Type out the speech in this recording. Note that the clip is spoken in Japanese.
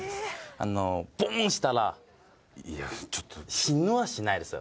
あのボンしたらいやちょっと死にはしないですよ